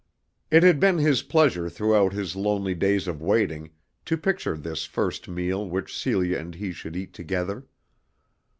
It had been his pleasure throughout his lonely days of waiting to picture this first meal which Celia and he should eat together.